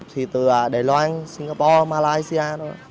thì từ đài loan singapore malaysia